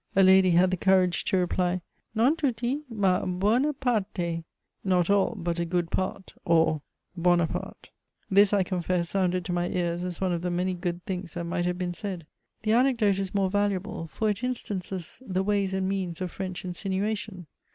A lady had the courage to reply, "Non tutti; ma BUONA PARTE," (not all, but a good part, or Buonaparte.) This, I confess, sounded to my ears, as one of the many good things that might have been said. The anecdote is more valuable; for it instances the ways and means of French insinuation.